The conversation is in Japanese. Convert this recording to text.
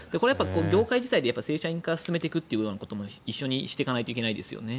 業界自体で正社員化を進めていくことも一緒にしていかないといけないですよね。